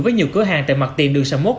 với nhiều cửa hàng tại mặt tiền đường sầm mốt